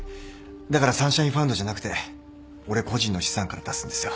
だからサンシャインファンドじゃなくて俺個人の資産から出すんですよ。